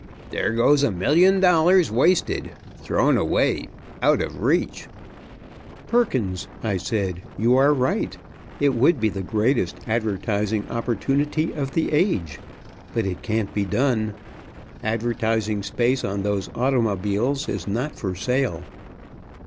There goes a million dollars wasted, thrown away, out of reach!" "Perkins," I said, "you are right. It would be the greatest advertising opportunity of the age, but it can't be done. Advertising space on those automobiles is not for sale."